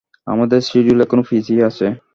আমাদের সিডিউল এখনো পিছিয়ে আছে।